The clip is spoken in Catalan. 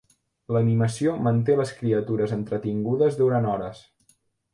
L'animació manté les criatures entretingudes durant hores.